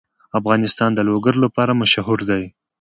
افغانستان د لوگر لپاره مشهور دی.